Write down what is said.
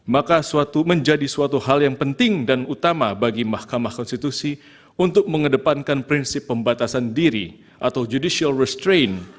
maka menjadi suatu hal yang penting dan utama bagi mahkamah konstitusi untuk mengedepankan prinsip pembatasan diri atau judicial restrain